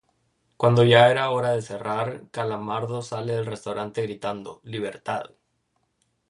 Cuando ya era hora de cerrar, Calamardo sale del restaurante gritando: ""¡Libertad!"".